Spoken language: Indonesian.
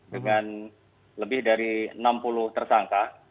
dengan lebih dari enam puluh tersangka